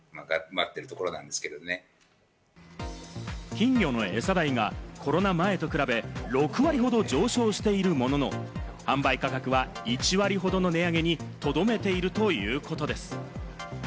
金魚のエサ代がコロナ前と比べ、６割ほど上昇しているものの、販売価格は１割ほどの値上げにとどめているということです。